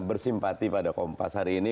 bersimpati pada kompas hari ini